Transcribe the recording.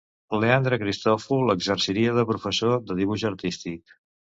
Leandre Cristòfol exerciria de professor de dibuix artístic.